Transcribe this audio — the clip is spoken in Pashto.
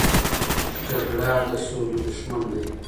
جګړه د سولې دښمن دی